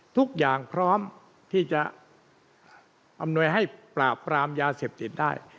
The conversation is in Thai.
ทุกอย่างพร้อมที่จะอำนวยให้ปราบปรามยาเสพติดได้